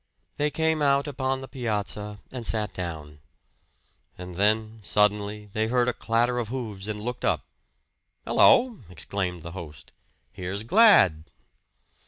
They came out upon the piazza and sat down. And then suddenly they heard a clatter of hoofs and looked up. "Hello!" exclaimed the host. "Here's Glad!"